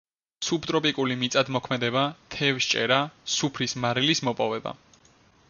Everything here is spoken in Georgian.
სუბტროპიკული მიწათმოქმედება, თევზჭერა, სუფრის მარილის მოპოვება.